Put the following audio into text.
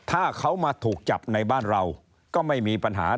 ถ้าเขามาถูกจับในบ้านเราก็ไม่มีปัญหา